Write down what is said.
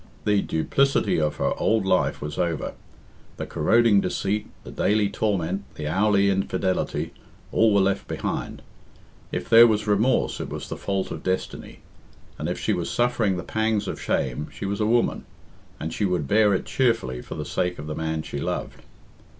The duplicity of her old life was over; the corroding deceit, the daily torment, the hourly infidelity all were left behind. If there was remorse, it was the fault of destiny; and if she was suffering the pangs of shame, she was a woman, and she would bear it cheerfully for the sake of the man she loved.